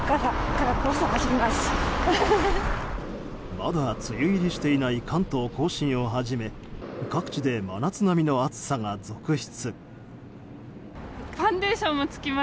まだ梅雨入りしていない関東・甲信をはじめ各地で真夏並みの暑さが続出。